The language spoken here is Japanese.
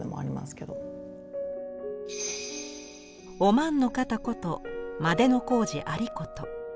お万の方こと万里小路有功。